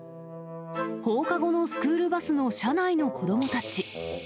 放課後のスクールバスの車内の子どもたち。